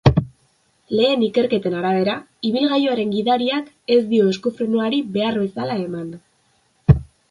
Lehen ikerketen arabera, ibilgailuaren gidariak ez dio esku-frenuari behar bezala eman.